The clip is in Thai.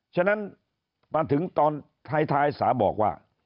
ฉะนั้นมาถึงตอนท้ายสาบอกว่า